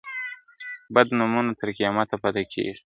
بد نومونه تر قیامته پاته کیږي ..